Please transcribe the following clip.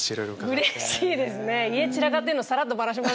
うれしいですね。